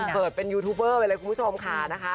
เปิดเป็นยูทูบเบอร์ไปเลยคุณผู้ชมค่ะนะคะ